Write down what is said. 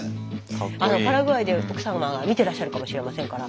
パラグアイで奥様が見てらっしゃるかもしれませんから。